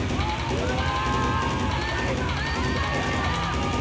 うわ！